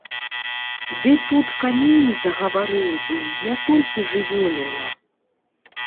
Ды тут камень загаварыў бы, не толькі жывёліна!